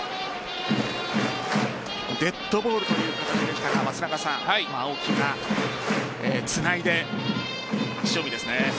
デッドボールという形でしたが青木がつないで塩見ですね。